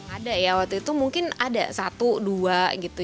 ada ya waktu itu mungkin ada satu dua gitu